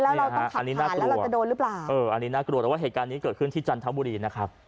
แล้วอันนี้น่ากลัวแล้วเราจะโดนหรือเปล่าเอออันนี้น่ากลัวแต่ว่าเหตุการณ์นี้เกิดขึ้นที่จันทบุรีนะครับ